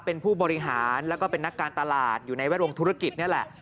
เป็นผู้บริหารแล้วก็เป็นนักการตลาดอยู่ในแวดวงธุรกิจนี่แหละ